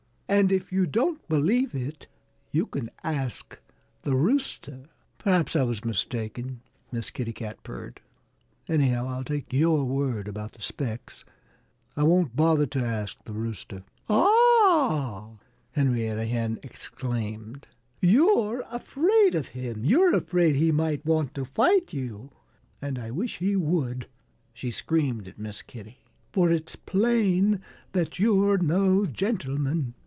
And if you don't believe it you can ask the Rooster." "Perhaps I was mistaken," Miss Kitty Cat purred. "Anyhow, I'll take your word about the Specks. I won't bother to ask the Rooster." "Ah!" Henrietta Hen exclaimed. "You're afraid of him! You're afraid he might want to fight you. And I wish he would," she screamed at Miss Kitty, "for it's plain that you're no gentleman."